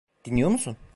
Dinliyor musun?